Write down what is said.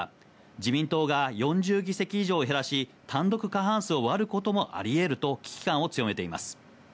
自民党が４０議席以上を減らし単独過半数を割ることもあり得ると危機感を強めています。